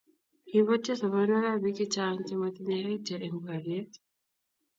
Kiibotyo sobonwekab biik chechang' che matinyei yaityo eng' boriet.